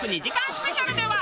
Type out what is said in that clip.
スペシャルでは。